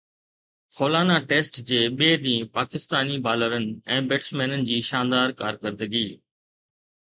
خولانا test جي ٻئي ڏينهن پاڪستاني بالرن ۽ بيٽسمينن جي شاندار ڪارڪردگي